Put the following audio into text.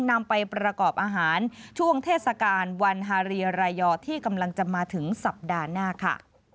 นำไปประกอบอาหารช่วงเทศกาลวันฮาเรียรายอที่กำลังจะมาถึงสัปดาห์หน้าค่ะ